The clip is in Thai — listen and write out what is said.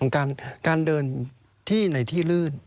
การเดินที่ในที่ลื่น